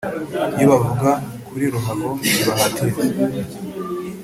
Iyo bavuga kuri ruhago ntibahatiriza